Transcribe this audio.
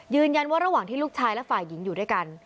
ยืนยันว่าระหวังที่ลูกชายและฝ่ายหญิงอยู่ด้วยกัน